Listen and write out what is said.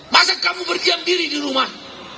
masa kamu berdiam diri di rumah